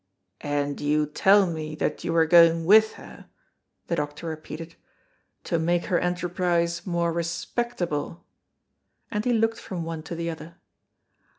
"And you tell me that you were going with her," the doctor repeated, "to make her enterprise more respectable?" and he looked from one to the other.